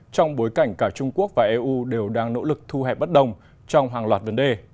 trong bối cảnh cả trung quốc và eu đều đang nỗ lực thu hẹp bất đồng trong hàng loạt vấn đề